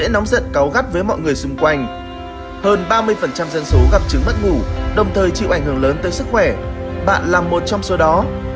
làm một trong số đó